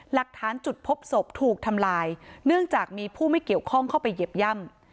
หลักฐานจุดพบศพถูกทำลายเนื่องจากมีผู้ไม่เกี่ยวข้องเข้าไปเหยียบย่ำ